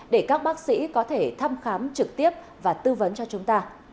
để các bác sĩ có thể thăm khám trực tiếp và tư vấn cho chúng ta